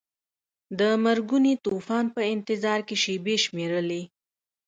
د مرګوني طوفان په انتظار کې شیبې شمیرلې.